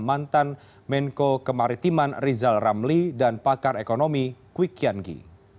mantan menko kemaritiman rizal ramli dan pakar ekonomi kwi kian gi